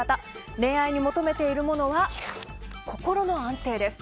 恋愛に求めているものは心の安定です。